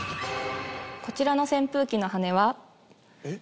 こちらの扇風機の羽根はえっ！